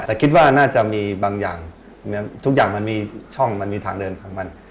แต่คิดว่าน่าจะมีบางอย่างเหมือนทุกอย่างมันมีช่องมันมีทางเดินของมัน